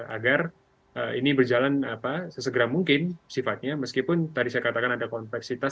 agar ini berjalan sesegera mungkin sifatnya meskipun tadi saya katakan ada kompleksitas